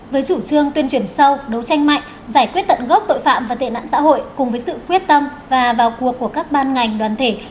với chủ trương tuyên truyền sâu đấu tranh mạnh giải quyết tận gốc tội phạm và tệ nạn xã hội cùng với sự quyết tâm và vào cuộc của các ban ngành đoàn thể